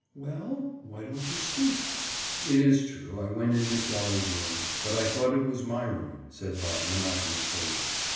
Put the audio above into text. "Well, why don't you speak?" "It is true I went in Miss Dolly's room, but I thought it was my room," said Bob monotonously.